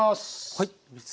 はい。